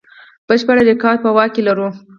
بشپړ ریکارډ په واک کې لرو.